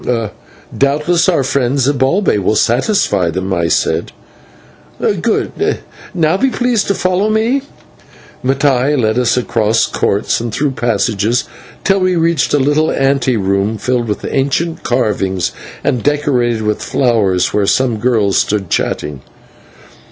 "Doubtless our friend Zibalbay will satisfy them," I said. "Good. Now be pleased to follow me" and Mattai led us across courts and through passages till we reached a little ante room filled with ancient carvings and decorated with flowers, where some girls stood chatting.